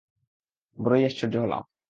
বড়োই আশ্চর্য হলাম।